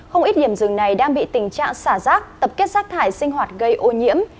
không ít điểm rừng này đang bị tình trạng xả rác tập kết rác thải sinh hoạt gây ô nhiễm